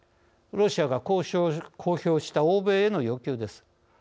ロシアが公表した欧米への要求です。